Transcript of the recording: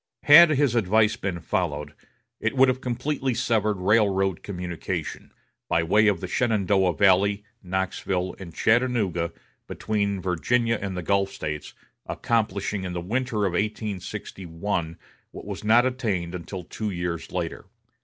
Had his advice been followed, it would have completely severed railroad communication, by way of the Shenandoah valley, Knoxville, and Chattanooga, between Virginia and the Gulf States, accomplishing in the winter of 1861 what was not attained until two years later.